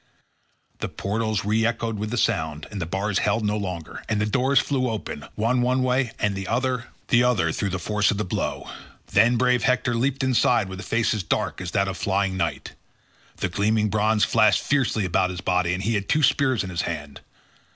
The portals re echoed with the sound, the bars held no longer, and the doors flew open, one one way, and the other the other, through the force of the blow. Then brave Hector leaped inside with a face as dark as that of flying night. The gleaming bronze flashed fiercely about his body and he had two spears in his hand.